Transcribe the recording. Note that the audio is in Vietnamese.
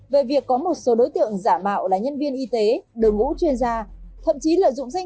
về việc có một số đối tượng giả mạo là nhân viên y tế đồng ủ chuyên gia